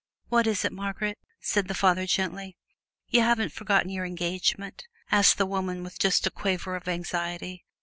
"What is it, Margaret?" said the Father, gently. "You haven't forgotten your engagement?" asked the woman, with just a quaver of anxiety.